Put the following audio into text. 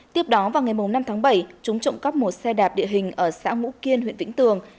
tiếp đó vào ngày năm tháng bảy chúng trộm cắp một xe đạp địa hình ở xã ngũ kiên huyện vĩnh tường